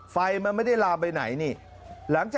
ไฟมันไม่ได้ลามไปไหน